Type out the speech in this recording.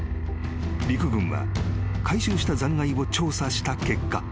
陸軍は回収した残骸を調査した結果］